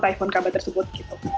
typhoon kabar tersebut gitu